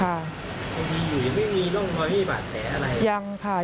อย่างดีอยู่ยังไม่มีร่งรอยให้บาดแตะอะไร